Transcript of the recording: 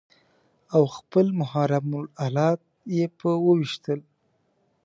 او خپل محرم الات يې په وويشتل.